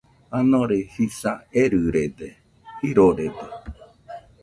Janore jisa erɨrede, jirorede